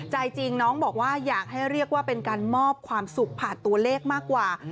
ใจจริงน้องบอกว่าอยากให้เรียกว่าเป็นการมอบความสุขผ่านตัวเลขมากกว่า